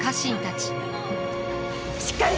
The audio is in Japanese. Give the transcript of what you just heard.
しっかり！